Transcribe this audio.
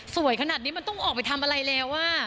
สวยขนาดนี้มันต้องออกไปทำอะไรแล้ว